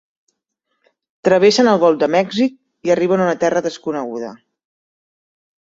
Travessen el golf de Mèxic i arriben a una terra desconeguda.